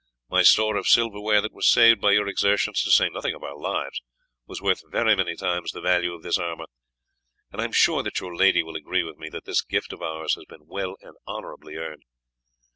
My store of silver ware that was saved by your exertions, to say nothing of our lives, was worth very many times the value of this armour, and I am sure that your lady will agree with me that this gift of ours has been well and honourably earned."